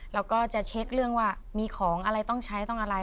เราก็จะเช็คเรื่องว่ามีของอะไรต้องใช้ต้องอะไร